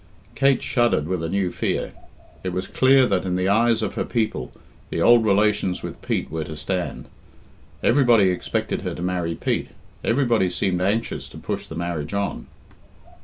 Kate shuddered with a new fear. It was clear that in the eyes of her people the old relations with Pete were to stand. Everybody expected her to marry Pete; everybody seemed anxious to push the marriage on.